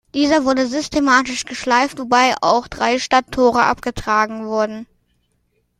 Dieser wurde systematisch geschleift, wobei auch drei Stadttore abgetragen wurden.